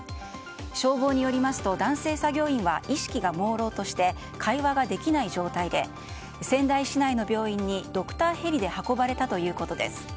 消防によりますと男性作業員は意識がもうろうとして会話ができない状態で仙台市内の病院にドクターヘリで運ばれたということです。